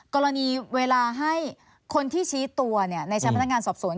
กรณีเวลาให้คนที่ชี้ตัวในชั้นพนักงานสอบสวน